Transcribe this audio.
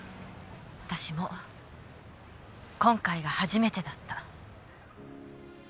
私も今回が初めてだった。